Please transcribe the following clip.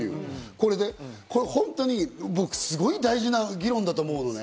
これね、本当に僕すごい大事な議論だと思うのね。